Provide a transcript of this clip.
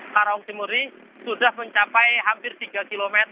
karawang timur ini sudah mencapai hampir tiga km